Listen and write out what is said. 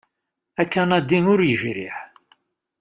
Akanadi ur yejriḥ.